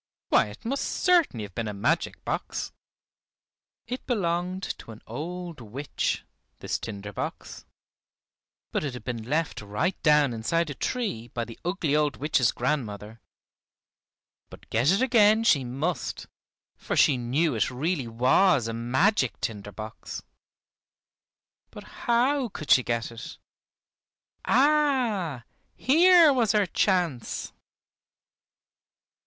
Why, it must certainly have been a magic box! It belonged to an old witch, this tinder box, but it had been left right down inside a tree by the ugly old witch's grandmother. But get it again she must, for she knew it really was a magic tinder box. But how could she get it? Ah! here was her chance.